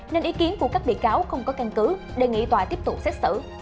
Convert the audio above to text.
nên ý kiến của các bị cáo không có căn cứ đề nghị tòa tiếp tục xét xử